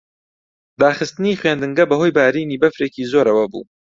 داخستنی خوێندنگە بەهۆی بارینی بەفرێکی زۆرەوە بوو.